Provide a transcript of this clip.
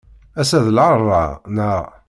Ass-a d laṛebɛa, naɣ?